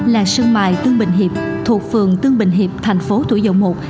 là sân mại tương bình hiệp thuộc phường tương bình hiệp thành phố tuổi dầu một